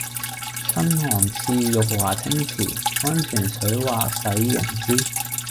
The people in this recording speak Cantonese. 春寒賜浴華清池，溫泉水滑洗凝脂。